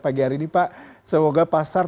pagi hari ini pak semoga pasar